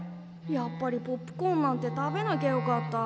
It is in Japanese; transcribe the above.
やっぱりポップコーンなんて食べなきゃよかった。